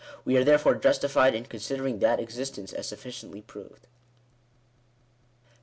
95 are therefore justified in considering that existence as sufficiently proved. §4.